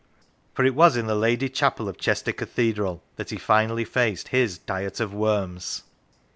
For it was in the Lady Chapel of Chester Cathedral that he finally faced his Diet of Worms.